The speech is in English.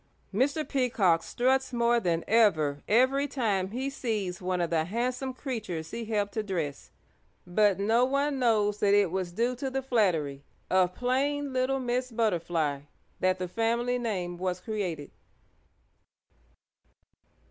Mr. Peacock struts more than ever every time he sees one of the handsome creatures he helped to dress, but no one knows that it was due to the flattery of plain little Miss Butterfly that the family name was created.